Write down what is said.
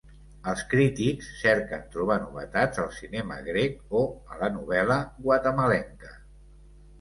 Els crítics cerquen trobar novetats al cinema grec o a la novel·la guatemalenca.